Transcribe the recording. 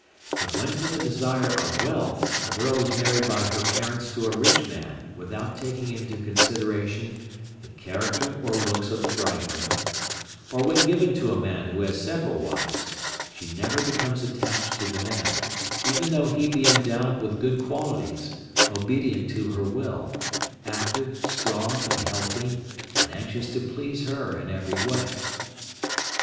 But when from the desire of wealth a girl is married by her parents to a rich man without taking into consideration the character or looks of the bridegroom, or when given to a man who has several wives, she never becomes attached to the man, even though he be endowed with good qualities, obedient to her will, active, strong, and healthy, and anxious to please her in every way.